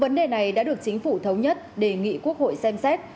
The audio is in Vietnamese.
vấn đề này đã được chính phủ thống nhất đề nghị quốc hội xem xét